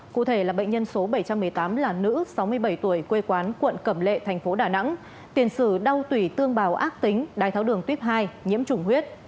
cụ thể là bệnh nhân số bảy trăm một mươi tám là nữ sáu mươi bảy tuổi quê quán quận cẩm lệ thành phố đà nẵng tiền sử đau tủy tương bào ác tính đai tháo đường tuyếp hai nhiễm chủng huyết